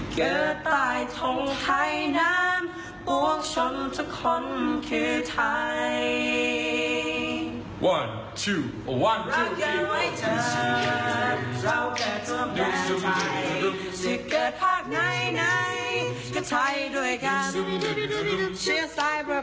เกิดตายท่องไทยนั้น